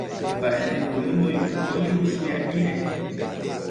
Mbaʼevetevoi ndoikói Luchiaʼi rehe.